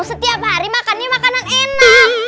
setiap hari makan nih makanan enak